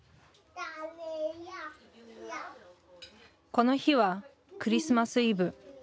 この日はクリスマス・イブ。